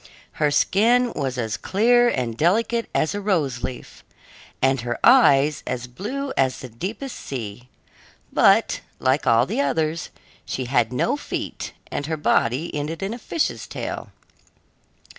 Her skin was as clear and delicate as a rose leaf, and her eyes as blue as the deepest sea; but, like all the others, she had no feet and her body ended in a fish's tail.